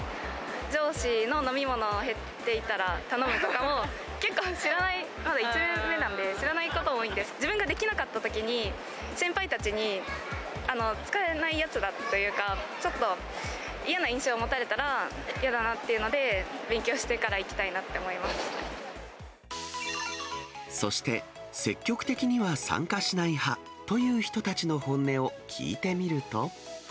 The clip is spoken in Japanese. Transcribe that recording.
上司の飲み物が減っていたら頼むとか、結構知らない、１年目なんで、知らないこと多いんで、自分ができなかったときに、先輩たちに使えないやつだっていうか、ちょっと嫌な印象を持たれたらやだなっていうので、勉強してからそして、積極的には参加しない派という人たちの本音を聞いてみると。